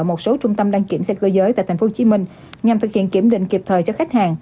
một số trung tâm đăng kiểm xe cơ giới tại tp hcm nhằm thực hiện kiểm định kịp thời cho khách hàng